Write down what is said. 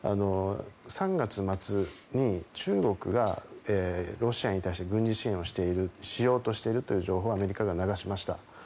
３月末に中国がロシアに対して軍事支援をしようとしているという情報をアメリカが流しました。